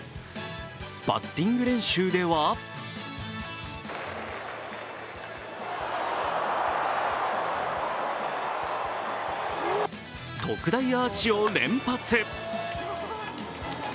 バッティング練習では特大アーチを連発。